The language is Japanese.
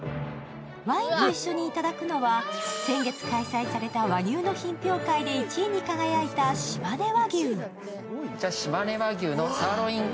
ワインと一緒に頂くのは、先月開催された和牛の品評会で１位に輝いたしまね和牛。